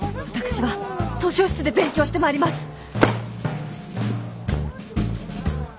私は図書室で勉強してまいります！